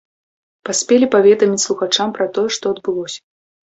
Паспелі паведаміць слухачам пра тое, што адбылося.